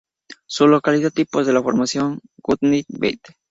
Su localidad tipo es la Formación Goodnight Bed.